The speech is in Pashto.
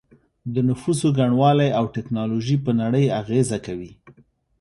د نفوسو ګڼوالی او ټیکنالوژي په نړۍ اغیزه کوي